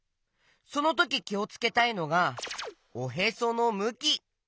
そのとききをつけたいのがおへそのむき。